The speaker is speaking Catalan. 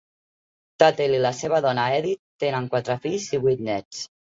Tatel i la seva dona Edith tenen quatre fills i vuit nets.